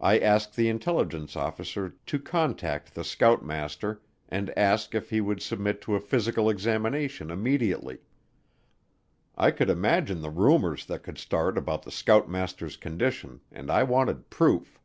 I asked the intelligence officer to contact the scoutmaster and ask if he would submit to a physical examination immediately. I could imagine the rumors that could start about the scoutmaster's condition, and I wanted proof.